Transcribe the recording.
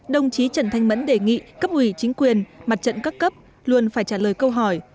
đồng chí trần thanh mẫn đề nghị cấp ủy chính quyền mặt trận các cấp luôn phải trả lời câu hỏi